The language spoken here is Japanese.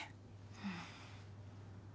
うん。